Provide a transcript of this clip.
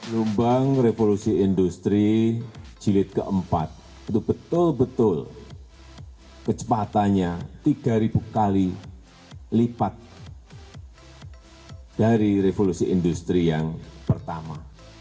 lumbang revolusi industri jilid keempat itu betul betul kecepatannya tiga ribu kali lipat dari revolusi industri yang pertama